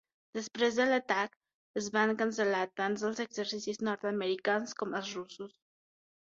Després de l'atac, es van cancel·lar tant els exercicis nord-americans com els russos.